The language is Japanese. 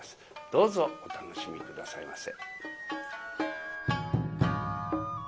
どうぞお楽しみ下さいませ。